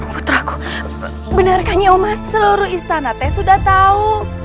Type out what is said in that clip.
putraku benarkahnya umas seluruh istanate sudah tahu